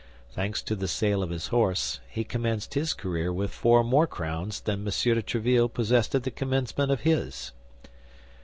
Thanks to the sale of his horse, he commenced his career with four more crowns than M. de Tréville possessed at the commencement of his.